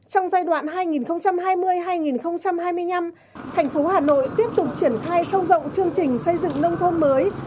trong giai đoạn hai nghìn hai mươi hai nghìn hai mươi năm thành phố hà nội tiếp tục triển khai sâu rộng chương trình xây dựng nông thôn mới